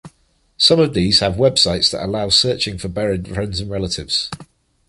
Some of these have web sites that allow searching for buried friends and relatives.